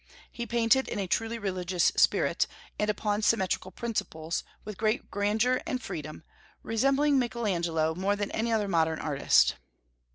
He painted in a truly religious spirit, and upon symmetrical principles, with great grandeur and freedom, resembling Michael Angelo more than any other modern artist.